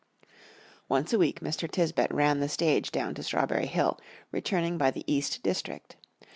Once a week Mr. Tisbett ran the stage down to Strawberry Hill, returning by the East District.